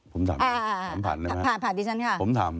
ผมถามดิฉันค่ะ